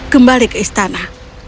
kembali ke istana